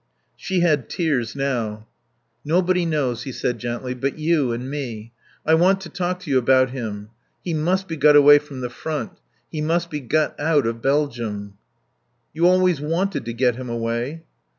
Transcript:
She had tears now. "Nobody knows," he said gently, "but you and me.... I want to talk to you about him. He must be got away from the Front. He must be got out of Belgium." "You always wanted to get him away."